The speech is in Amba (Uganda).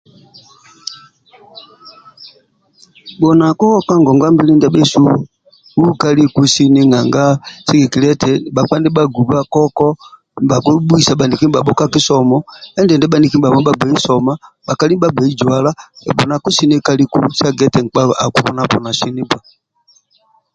Bhunako ka ngongwa mbili ndia bhesu u kaliku sini nanga sigikilia eti bhakpa ndiabhaguba koko nibhakibhuosa bhaniki ndibhabho ka kisomo endindi bhaniki ndibhabho bhagbei soma bhakali bhagei zwala endindi bhunako kaliku sa giq eti nkpa akibonabona sini bba